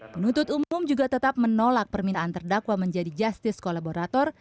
penuntut umum juga tetap menolak permintaan terdakwa menjadi justice kolaborator